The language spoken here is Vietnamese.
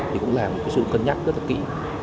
thì cũng là một sự cân nhắc rất là kỹ